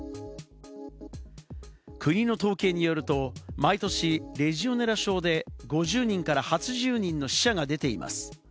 国の統計によると、毎年、レジオネラ症で５０人から８０人の死者が出ています。